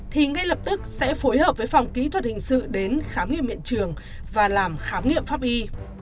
thì ngay lập tức sẽ phối hợp với phòng kỹ thuật hình sự đến khám nghiệm hiện trường và làm khám nghiệm pháp y